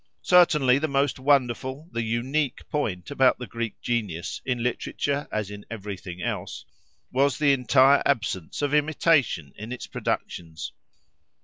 Certainly, the most wonderful, the unique, point, about the Greek genius, in literature as in everything else, was the entire absence of imitation in its productions.